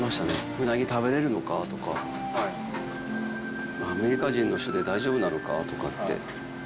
うなぎ食べれるのか？とか、アメリカ人の人で大丈夫なのかって。